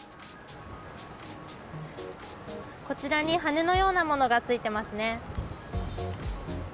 こちらに羽根のようなものが付いてますね。